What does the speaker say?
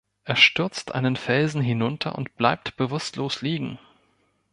Er stürzt einen Felsen hinunter und bleibt bewusstlos liegen.